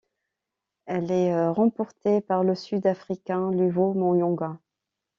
Elle est remportée par le Sud-africain Luvo Manyonga.